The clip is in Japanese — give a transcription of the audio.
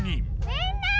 みんな！